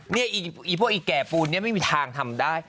นี่พวกไอ้แก่ปูไม่มีทางทำได้